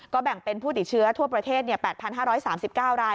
แบ่งเป็นผู้ติดเชื้อทั่วประเทศ๘๕๓๙ราย